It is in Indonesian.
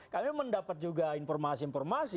kami mendapat juga informasi informasi